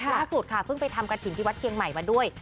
ล่าสุดค่ะเพิ่งไปทำกระถิ่นที่วัดเชียงใหม่มาด้วย